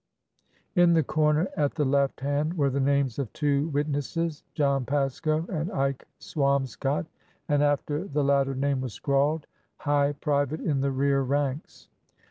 In the corner at the left hand were the names of two witnesses, John Pasco and Ike Swamscott, and after the 340 ORDER NO. 11 latter name was scrawled : High private in the rear ranks."